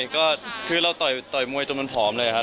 ก็คือเราต่อยมวยจนมันผอมเลยครับ